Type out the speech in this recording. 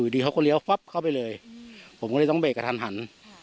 ดีเขาก็เลี้ยวปั๊บเข้าไปเลยผมก็เลยต้องเบรกกระทันหัน